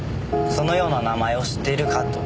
そのような名前を知っているか？と。